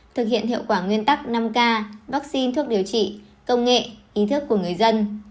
thực hiện hiệu quả nguyên tắc năm k vaccine thuốc điều trị công nghệ ý thức của người dân